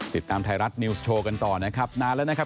ติดตามไทยรัฐนิวส์โชว์กันต่อนะครับนานแล้วนะครับ